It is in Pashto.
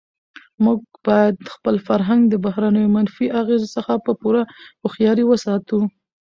موږ باید خپل فرهنګ د بهرنیو منفي اغېزو څخه په پوره هوښیارۍ وساتو.